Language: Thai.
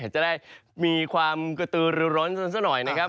จะได้มีความฟุตุร้อนสนหน่อยนะครับ